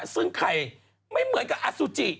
ซึ่งไข่ไม่เหมือนกับอสุจิ